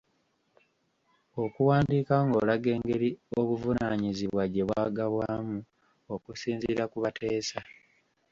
Okuwandiika ng’olaga engeri obuvunaanyizibwa gye bwagabwamu okusinziira ku bateesa.